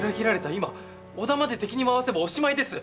今織田まで敵に回せばおしまいです！